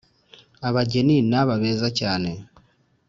abageni naba beza cyane